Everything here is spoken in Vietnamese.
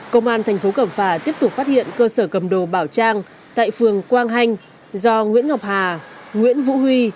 công an tp cẩm phà tiếp tục phát hiện cơ sở cầm đồ bảo trang tại phường quang hanh do nguyễn ngọc hà nguyễn vũ huy